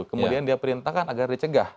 kemudian dia perintahkan agar dicegah